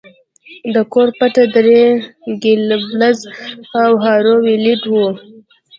د کور پته درې ګیبلز او هارو ویلډ وه